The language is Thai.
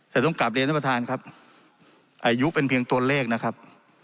แต่ต้องกลับเรียนท่านประธานครับอายุเป็นเพียงตัวเลขนะครับ